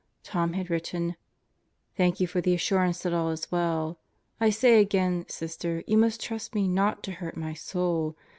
Tom had written: Thank you for the assurance that all is well. I say again, Sister, you must trust me not to hurt my soul.